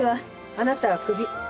あなたはクビ。